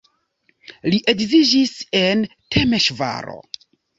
Li edziĝis en Temeŝvaro.